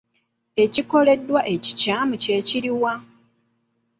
Ekikoleddwa ekikyamu kye kiruwa?